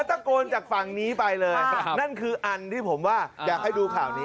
ตะโกนจากฝั่งนี้ไปเลยนั่นคืออันที่ผมว่าอยากให้ดูข่าวนี้